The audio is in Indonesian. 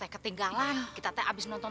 kak fadil ini tuh